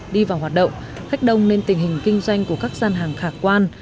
đi vào hoạt động khách đông nên tình hình kinh doanh của các gian hàng khả quan